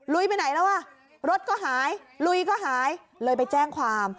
ไปไหนแล้วอ่ะรถก็หายลุยก็หายเลยไปแจ้งความ